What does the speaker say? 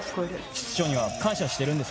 室長には感謝してるんです。